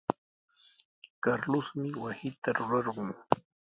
Carlosmi wasita rurarqun.